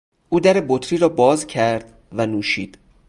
او در بطری را باز کرد و نوشید.